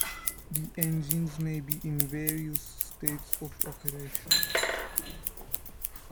The engines may be in various states of operation.